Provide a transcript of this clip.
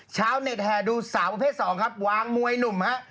ชาวเน็ตแห่ดูสาวประเภท๒ครับวางมวยหนุ่มฮะ